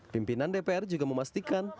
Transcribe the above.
pimpinan dpr juga memastikan